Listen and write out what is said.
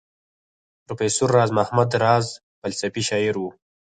پروفیسر راز محمد راز فلسفي شاعر وو.